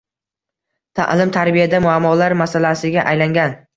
Ta’lim-tarbiyada muammolar masalasiga aylangan.